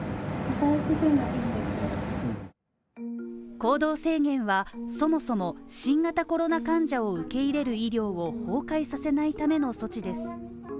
行動制限はそもそも新型コロナ患者を受け入れる医療を崩壊させないための措置です。